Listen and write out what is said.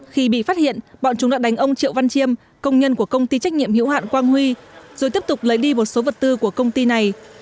khi bị phát hiện bọn chúng đã đánh ông triệu văn chiêm công nhân của công ty trách nhiệm hữu hạn quang huy rồi tiếp tục lấy đi một số vật tư của công ty này